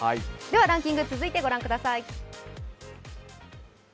ランキング、続いてご覧ください。